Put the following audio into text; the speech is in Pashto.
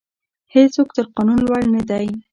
هیڅوک تر قانون لوړ نه دی.